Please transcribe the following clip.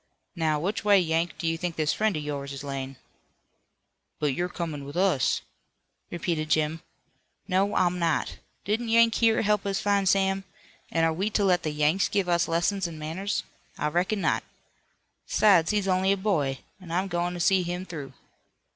"Now, which way, Yank, do you think this friend of yours is layin'?" "But you're comin' with us," repeated Jim. "No, I'm not. Didn't Yank here help us find Sam? An' are we to let the Yanks give us lessons in manners? I reckon not. 'Sides, he's only a boy, an' I'm goin' to see him through."